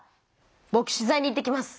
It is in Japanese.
ぼく取材に行ってきます。